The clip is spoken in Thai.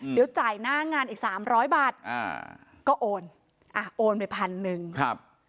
เดี๋ยวจ่ายหน้างานอีก๓๐๐บาทก็โอนโอนไป๑๐๐๐บาท